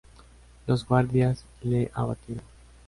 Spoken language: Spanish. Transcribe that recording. Los guardias le abatieron".